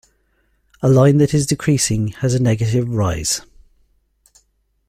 A line that is decreasing has a negative "rise".